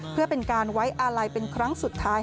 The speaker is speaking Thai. เพื่อเป็นการไว้อาลัยเป็นครั้งสุดท้าย